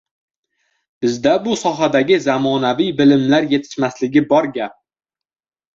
Bizda bu sohadagi zamonaviy bilimlar yetishmasligi bor gap.